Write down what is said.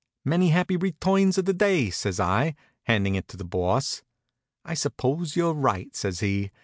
"Many happy returns of the day," says I, handing it to the Boss. "I suppose you're right," says he.